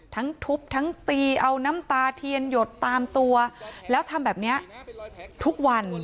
ทั้งทุบทั้งตีเอาน้ำตาเทียนหยดตามตัวแล้วทำแบบนี้ทุกวัน